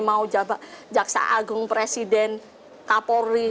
mau jaksa agung presiden kapolri